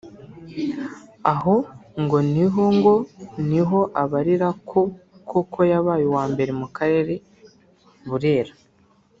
Aho ngo niho ngo niho abarira ko koko yabaye uwa mbere mu karere (Burera)